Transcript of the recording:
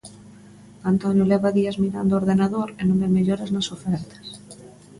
Antonio leva días mirando o ordenador e non ve melloras nas ofertas.